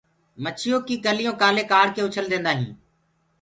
مڇيو ڪي ڪليو ڪآلي ڪآڙڪي اُڇل ديندآ هين